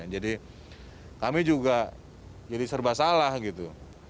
jadi kami juga jadi serba salah gitu